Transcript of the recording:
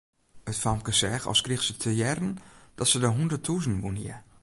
It famke seach as krige se te hearren dat se de hûnderttûzen wûn hie.